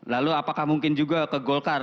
lalu apakah mungkin juga ke golkar